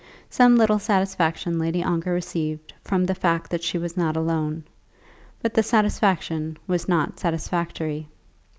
Some little satisfaction Lady Ongar received from the fact that she was not alone; but the satisfaction was not satisfactory.